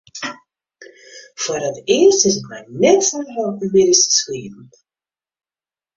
Foar it earst is it my net slagge om middeis te sliepen.